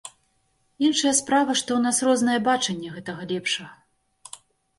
Іншая справа, што ў нас рознае бачанне гэтага лепшага.